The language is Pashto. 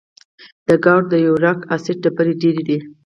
د ګاؤټ د یوریک اسید ډبرې دي.